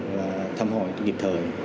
và thăm hỏi nghiệp thời